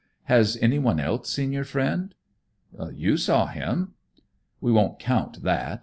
Has anyone else seen your friend?" "You saw him." "We won't count that.